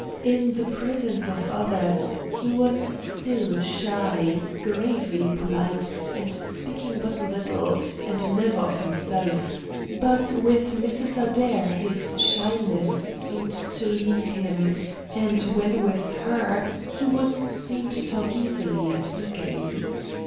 In the presence of others, he still was shy, gravely polite, and speaking but little, and never of himself; but with Mrs. Adair his shyness seemed to leave him, and when with her he was seen to talk easily and eagerly.